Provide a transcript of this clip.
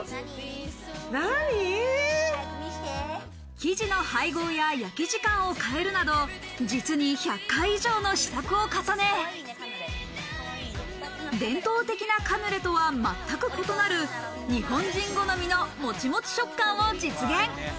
生地の配合や焼き時間を変えるなど実に１００回以上の試作を重ね、伝統的なカヌレとは全く異なる日本人好みのモチモチ食感を実現。